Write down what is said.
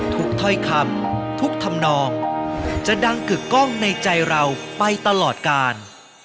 ถ้อยคำทุกธรรมนองจะดังกึกกล้องในใจเราไปตลอดกาล